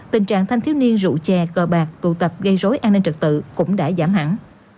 tình trạng thanh thiếu niên rụ chè cờ bạc tụ tập gây rối an ninh trật tự cũng đã giảm hẳn